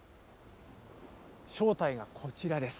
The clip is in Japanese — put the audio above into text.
正体はこちらです。